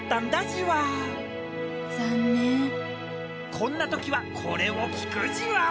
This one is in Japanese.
こんな時はこれを聴くじわ。